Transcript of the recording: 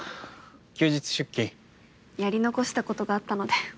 休日出勤？やり残したことがあったので。